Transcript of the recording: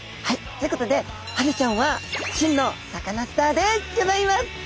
ということでハゼちゃんは真のサカナスターでギョざいます！